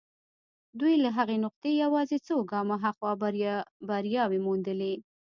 دوی له هغې نقطې يوازې څو ګامه هاخوا برياوې موندلې.